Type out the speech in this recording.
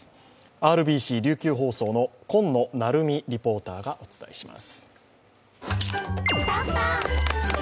ＲＢＣ琉球放送の今野成美リポーターがお伝えします。